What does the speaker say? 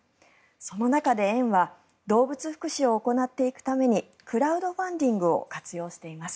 その中で園は動物福祉を行っていくためにクラウドファンディングを活用しています。